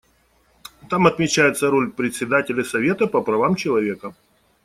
Там отмечается роль Председателя Совета по правам человека.